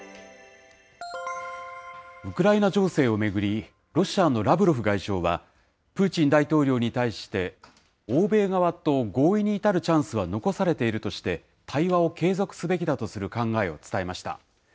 ウクライナ情勢を巡り、ロシアのラブロフ外相は、プーチン大統領に対して、欧米側と合意に至るチャンスは残されているとして、対話を継続すべきだとする考えを伝えました。